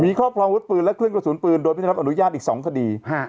ครอบครองวุฒิปืนและเครื่องกระสุนปืนโดยไม่ได้รับอนุญาตอีก๒คดี